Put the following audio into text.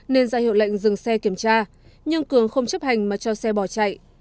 nên ra hiệu lệnh dừng xe kiểm tra nhưng cường không chấp hành mà cho xe bỏ chạy